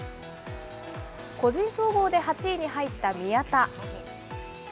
個人総合で８位に入った宮田。